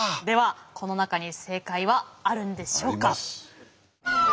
ではこの中に正解はあるんでしょうか？